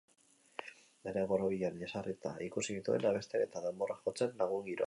Denak borobilean jesarrita ikusi nituen, abesten eta danborrak jotzen, lagun-giroan.